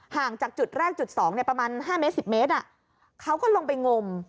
ห่างจากจุดแรกจุดสองเนี่ยประมาณห้าเมตรสิบเมตรอ่ะเขาก็ลงไปงม